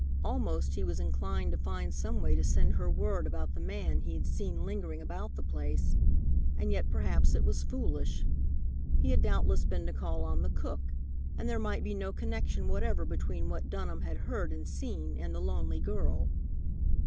Almost he was inclined to find some way to send her word about the man he had seen lingering about the place, and yet perhaps it was foolish. He had doubtless been to call on the cook, and there might be no connection whatever between what Dunham had heard and seen and the lonely girl.